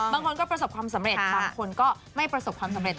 บางคนก็ประสบความสำเร็จบางคนก็ไม่ประสบความสำเร็จ